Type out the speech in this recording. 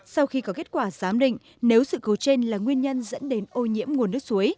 sau khi có kết quả giám định nếu sự cố trên là nguyên nhân dẫn đến ô nhiễm nguồn nước suối